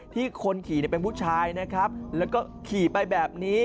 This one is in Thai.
คนขี่เป็นผู้ชายนะครับแล้วก็ขี่ไปแบบนี้